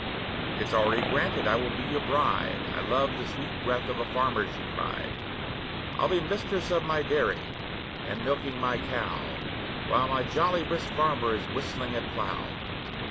'It's already granted, I will be your bride; I love the sweet breath of a farmer,' she cried. 'I'll be mistress of my dairy, and milking my cow, While my jolly brisk farmer is whistling at plough.